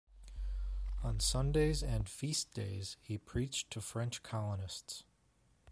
On Sundays and feast days, he preached to French colonists.